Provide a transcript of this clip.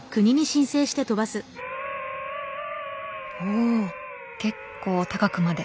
お結構高くまで。